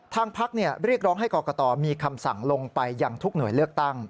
ทางพักเรียกร้องให้กรกตมีคำสั่งลงไปยังทุกหน่วยเลือกตั้ง